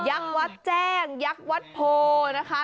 วัดแจ้งยักษ์วัดโพนะคะ